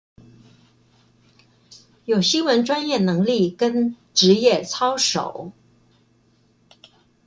有新聞專業能力跟職業操守